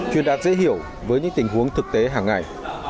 truyền đạt dễ hiểu với những tình huống thực tế hàng ngày